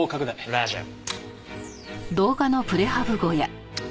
ラジャー。